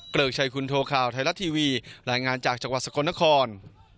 ริกชัยคุณโทข่าวไทยรัฐทีวีรายงานจากจังหวัดสกลนคร